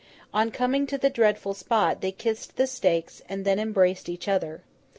On coming to the dreadful spot, they kissed the stakes, and then embraced each other.